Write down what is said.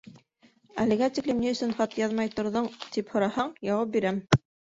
Әлегә тиклем ни өсөн хат яҙмай торҙоң, тип һораһаң, яуап бирәм.